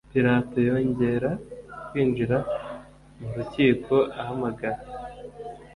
pilato yongera kwinjira mu rukiko ahamagara